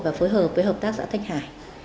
và phối hợp với hợp tác giả thanh hải